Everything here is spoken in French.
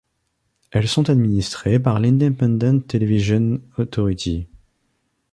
Elles sont administrées par l'Independent Television Authority.